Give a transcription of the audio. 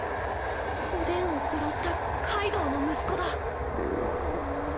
おでんを殺したカイドウの息子だ